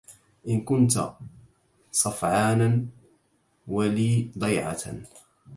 إن كنت صفعانا ولي ضيعة